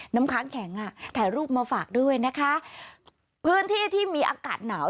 น้ำค้างแข็งอ่ะถ่ายรูปมาฝากด้วยนะคะพื้นที่ที่มีอากาศหนาว